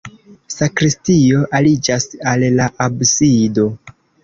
Sakristio aliĝas al la absido.